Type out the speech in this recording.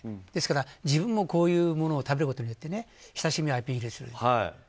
ですから、自分もこういうものを食べることによって親しみをアピールするんです。